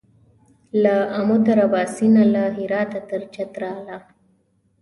له آمو تر اباسینه له هراته تر چتراله